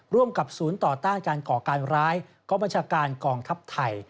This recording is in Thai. ร่วมกับศูนย์ต่อต้านการก่อการร้ายกองบัญชาการกองทัพไทย